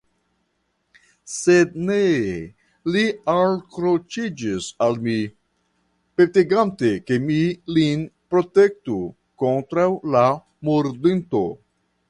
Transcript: Sed ne, li alkroĉiĝis al mi, petegante ke mi lin protektu kontraŭ la murdinto.